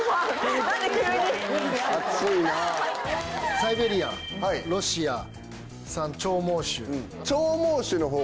サイベリアンロシア産長毛種。